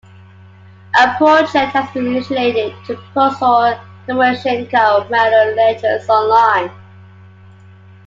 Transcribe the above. A project has been initiated to post all Timoshenko Medal Lectures online.